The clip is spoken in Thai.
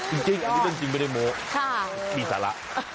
อันนี้เป็นจริงไม่ได้โม้มีสาระ